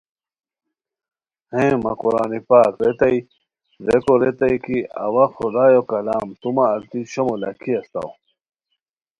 ہیں مہ قرآن پاک! ریتائے، ریکو ریتائے کی اوا خدایو کلام تو مہ التی شومو لاکھی اسیتاؤ،